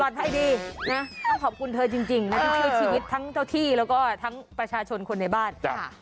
รัดให้ดีต้องขอบคุณเธอจริงในชื่อชีวิตทั้งเจ้าที่แล้วก็ทั้งประชาชนคนในบ้าน